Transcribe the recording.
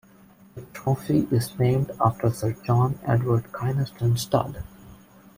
The trophy is named after Sir John Edward Kynaston Studd.